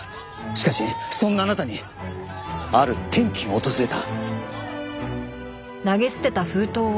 しかしそんなあなたにある転機が訪れた。